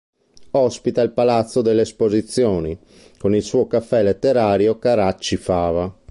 Ospita il Palazzo delle Esposizioni, con il suo Caffè Letterario Carracci Fava.